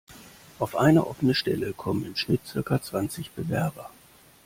Auf eine offene Stelle kommen im Schnitt circa zwanzig Bewerber.